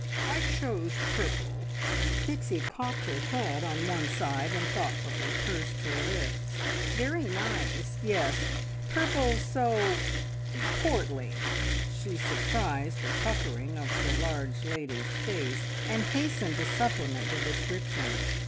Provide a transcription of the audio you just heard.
I chose purple." Pixie cocked her head on one side and thoughtfully pursed her lips. "Very nice! Yes, purple's so portly!" She surprised a puckering of the large lady's face, and hastened to supplement the description.